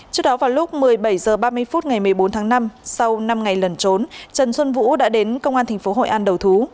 trước đó vào lúc một mươi bảy h ba mươi phút ngày một mươi bốn tháng năm sau năm ngày lẩn trốn trần xuân vũ đã đến công an tp hội an đầu thú